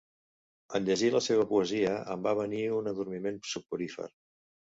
En llegir la seva poesia, em va venir un adormiment soporífer.